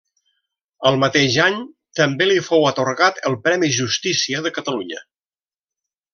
Al mateix any també li fou atorgat el premi Justícia de Catalunya.